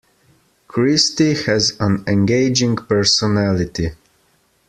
Christy has an engaging personality.